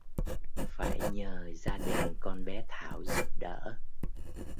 phải nhờ gia đình con bé Thảo giúp đỡ